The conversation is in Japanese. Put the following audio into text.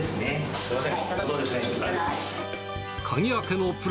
すみません。